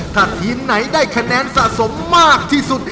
ถ้าทีมไหนได้คะแนนสะสมมากที่สุด